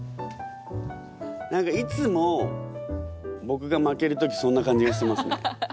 何かいつも僕が負ける時そんな感じがしますね。